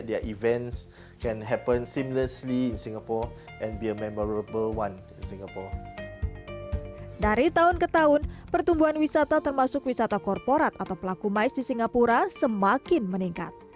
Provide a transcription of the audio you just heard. dari tahun ke tahun pertumbuhan wisata termasuk wisata korporat atau pelaku mais di singapura semakin meningkat